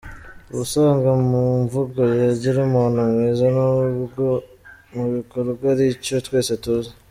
Ubusanzwe mumvugo yigira umuntu mwiza nubwo mubikorwa ari icyo twese tuzi.